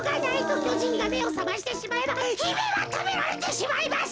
きょじんがめをさましてしまえばひめはたべられてしまいます。